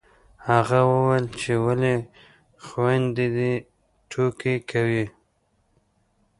هغه وويل چې ولې خویندې دې ټوکې کوي